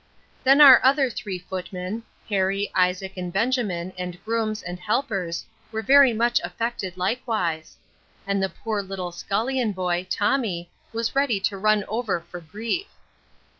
Then our other three footmen, Harry, Isaac, and Benjamin, and grooms, and helpers, were very much affected likewise; and the poor little scullion boy, Tommy, was ready to run over for grief.